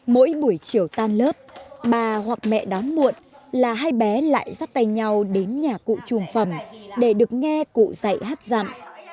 mỗi buổi chiều tan lớp bà hoặc mẹ đón muộn là hai bé lại dắt tay nhau đến nhà cụ chuồng phẩm để được nghe cụ dạy hát dặm